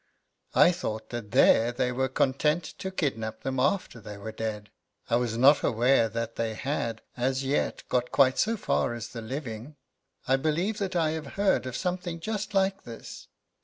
"I thought that there they were content to kidnap them after they were dead. I was not aware that they had, as yet, got quite so far as the living." "I believe that I have heard of something just like this."